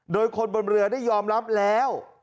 โดยคนบนเรือได้ยอมรับแล้ว